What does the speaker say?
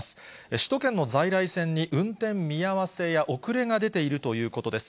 首都圏の在来線に運転見合わせや遅れが出ているということです。